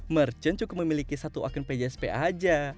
merchant cukup memiliki satu akun pjsp saja